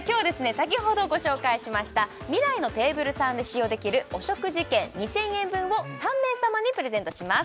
先ほどご紹介しましたみらいのテーブルさんで使用できるお食事券２０００円分を３名様にプレゼントします